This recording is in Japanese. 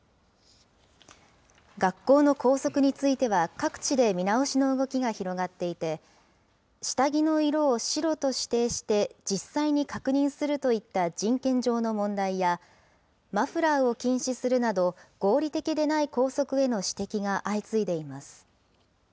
学校の校則については、各地で見直しの動きが広がっていて、下着の色を白と指定して、実際に確認するといった人権上の問題や、マフラーを禁止するなど、合理的でない校則への指摘が相次いでいます。